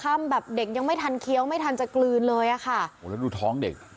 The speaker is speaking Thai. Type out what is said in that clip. แบบเด็กยังไม่ทันเคี้ยวไม่ทันจะกลืนเลยอ่ะค่ะโอ้แล้วดูท้องเด็ก